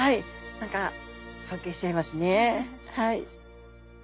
何か尊敬しちゃいますねはい。